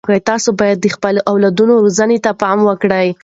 تاسو باید د خپلو اولادونو روزنې ته پام وکړئ.